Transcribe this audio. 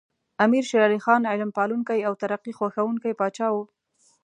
امیر شیر علی خان علم پالونکی او ترقي خوښوونکی پاچا و.